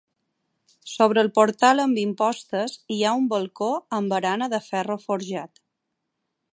Sobre el portal amb impostes hi ha un balcó amb barana de ferro forjat.